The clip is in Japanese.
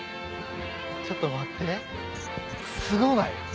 ちょっと待ってすごない？